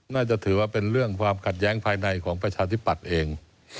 น่าจะถือว่าเป็นเรื่องความขัดแย้งภายในของประชาธิปัตย์เอง